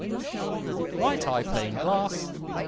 "'Right eye plain glass.